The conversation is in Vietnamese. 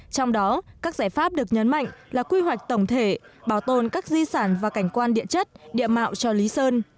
trong đó các giải pháp được nhấn mạnh là quy hoạch tổng thể bảo tồn các di sản và cảnh quan địa chất địa mạo cho lý sơn